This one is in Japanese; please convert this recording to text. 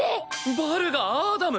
バルがアーダム！